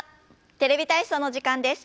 「テレビ体操」の時間です。